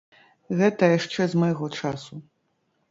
Гэта яшчэ з майго часу.